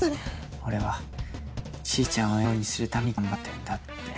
俺はちーちゃんを笑顔にするために頑張ってるんだって。